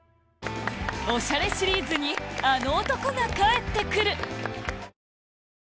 『おしゃれ』シリーズにあの男が帰って来る！